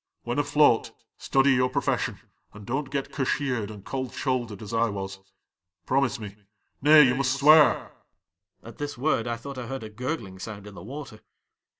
When afloat, study your pro fession and don't get cashiered and cold shouldered as I was. Pfomise me — nay, you must swear !"' At this word 1 thought I heard a gurgling sound in the water.